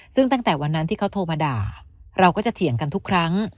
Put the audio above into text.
ซึ่งตั้งแต่วันนั้นที่เขาโทรมาด่าเราก็จะเถียงกันทุกครั้ง